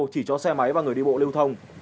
chỉ cho xe máy và người đi bộ lưu thông